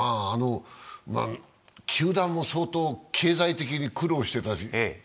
球団も相当経済的に苦労してたし。